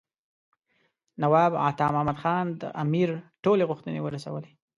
نواب عطا محمد خان د امیر ټولې غوښتنې ورسولې.